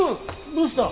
どうした？